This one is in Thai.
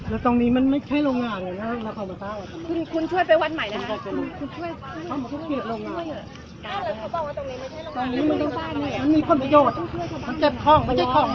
แล้วตรงนี้มันไม่เยี่ยม